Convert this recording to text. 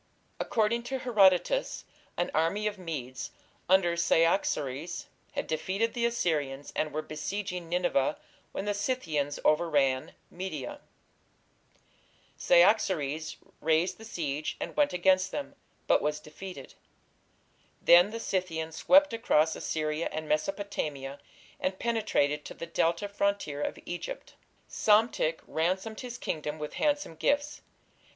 According to Herodotus, an army of Medes under Cyaxares had defeated the Assyrians and were besieging Nineveh when the Scythians overran Media. Cyaxares raised the siege and went against them, but was defeated. Then the Scythians swept across Assyria and Mesopotamia, and penetrated to the Delta frontier of Egypt. Psamtik ransomed his kingdom with handsome gifts.